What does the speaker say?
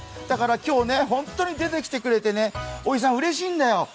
だから今日ね、ホントに出てきてくれてね、おじさん、うれしいんだよ。